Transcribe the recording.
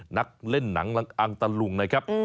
นักเล่นหนังอังตะลุงนะครับ